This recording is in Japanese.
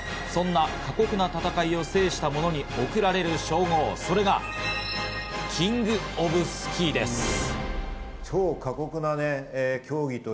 そんな過酷な戦いを制したものに贈られる称号、それがキング・オブ・スキーです。